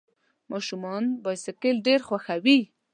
ماشومان بایسکل ډېر خوښوي.